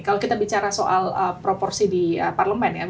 kalau kita bicara soal proporsi di parlemen ya